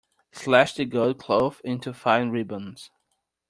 Slash the gold cloth into fine ribbons.